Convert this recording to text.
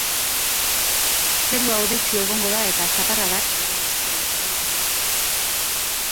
Zerua hodeitsu egongo da eta zaparradak lurralde osoan zabalduko dira.